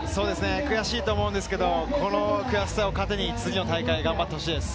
悔しいと思うんですけど、この悔しさを糧に次の大会、頑張ってほしいです。